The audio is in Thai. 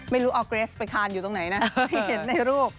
ไม่รู้เอาเกรสไปทานอยู่ตรงไหนนะไม่เห็นไอ้ลูก